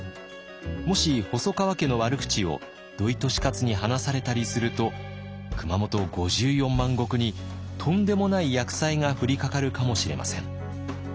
もし細川家の悪口を土井利勝に話されたりすると熊本５４万石にとんでもない厄災が降りかかるかもしれません。